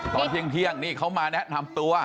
ตอนเที่ยงนี่เขามาแนะนำตัว